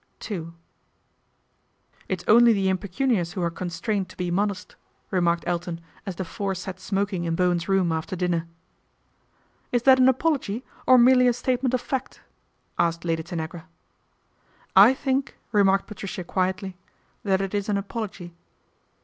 II ' It is only the impecunious who are constrained to be modest," remarked Elton as the four sat smoking in Bowen's room after dinner. " Is that an apology, or merely a statement of fact ?" asked Lady Tanagra. " I think," remarked Patricia quietly " that it is an apology."